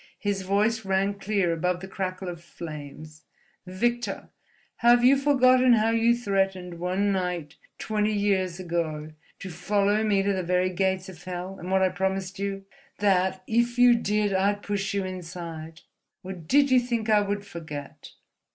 His voice rang clear above the crackle of flames: "Victor! have you forgotten how you threatened one night, twenty years ago, to follow me to the very gates of Hell, and what I promised you—that, if you did, I'd push you inside? Or did you think I would forget?"